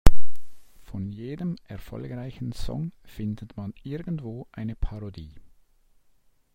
Von jedem erfolgreichen Song findet man irgendwo eine Parodie.